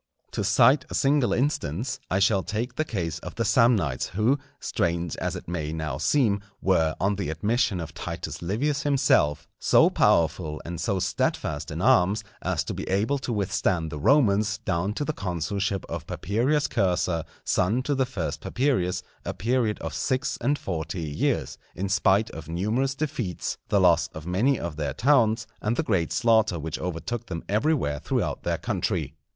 To cite a single instance, I shall take the case of the Samnites who, strange as it may now seem, were on the admission of Titus Livius himself, so powerful and so steadfast in arms, as to be able to withstand the Romans down to the consulship of Papirius Cursor, son to the first Papirius, a period of six and forty years, in spite of numerous defeats, the loss of many of their towns, and the great slaughter which overtook them everywhere throughout their country.